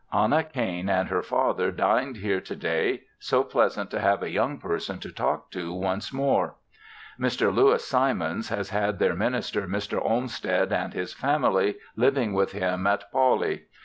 Anna Cain and her father dined here to day; so pleasant to have a young person to talk to once more. Mr. Lewis Simons has had their minister Mr. Olmsted and his family living with him at Pawley.